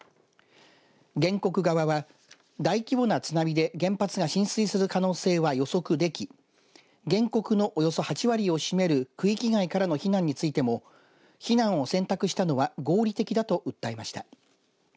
原告側は、大規模な津波で原発が浸水する可能性は予測でき原告のおよそ８割を占める区域外からの避難についても避難を選択したのは合理的だなどと訴えました。